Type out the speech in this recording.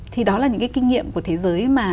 thì đó là những cái kinh nghiệm của thế giới mà